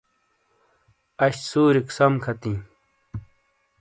اش سُوریک سم کھاتِیں۔